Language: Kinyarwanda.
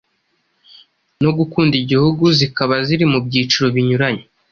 no gukunda igihugu, zikaba ziri mu byiciro binyuranye